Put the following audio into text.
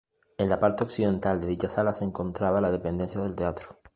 En la parte occidental de dicha sala se encontraba la dependencia del teatro.